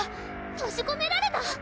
とじこめられた？